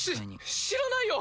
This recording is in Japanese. し知らないよ！